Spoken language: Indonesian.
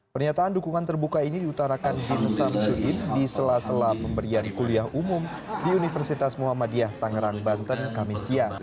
pernyataan dukungan terbuka ini diutarakan dinsiam sudin di sela sela pemberian kuliah umum di universitas muhammadiyah tangerang banten kamisya